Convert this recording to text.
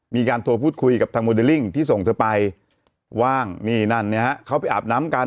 มีการโทรพูดคุยกับทางโมเดลลิ่งที่ส่งเธอไปว่างนี่นั่นเนี่ยฮะเขาไปอาบน้ำกัน